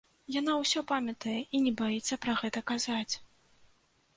Яна ўсё памятае і не баіцца пра гэта казаць.